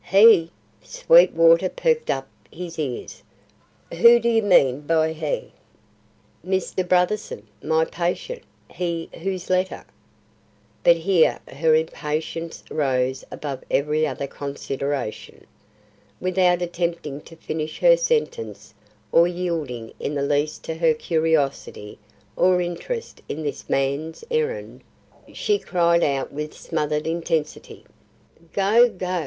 "He!" Sweetwater perked up his ears. "Who do you mean by he?" "Mr. Brotherson, my patient, he whose letter " But here her impatience rose above every other consideration. Without attempting to finish her sentence, or yielding in the least to her curiosity or interest in this man's errand, she cried out with smothered intensity, "Go! go!